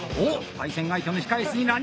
対戦相手の控え室に乱入！